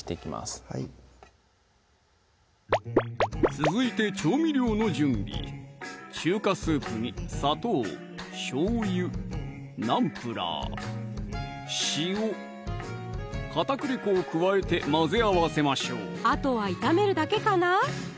続いて調味料の準備中華スープに砂糖・しょうゆ・ナンプラー・塩・片栗粉を加えて混ぜ合わせましょうあとは炒めるだけかな？